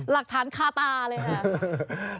หลักฐานคาตาเลยนะครับ